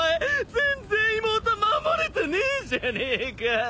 全然妹守れてねえじゃねえか！